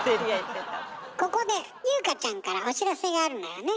ここで優香ちゃんからお知らせがあるのよね？